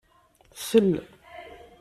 Sel...